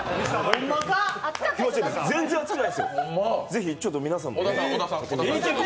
全然熱くないですよ、ぜひ皆さんもね。